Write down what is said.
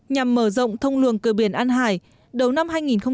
nhằm mở rộng thông luồng cửa biển an hải đầu năm hai nghìn một mươi sáu